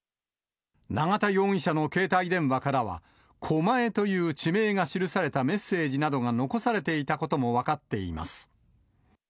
永田容疑者の携帯電話からは、狛江という地名が記されたメッセージなどが残されていたことも分かっています。